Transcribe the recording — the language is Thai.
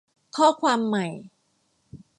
ข้อความใหม่